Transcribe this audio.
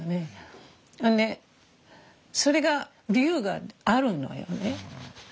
それが理由があるのよね。